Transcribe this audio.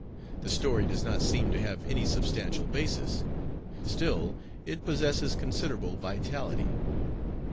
The story does not seem to have any substantial basis; still, it possesses considerable vitality.'